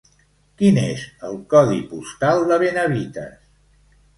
Quin és el codi postal de Benavites?